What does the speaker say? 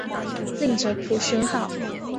另译朴宣浩。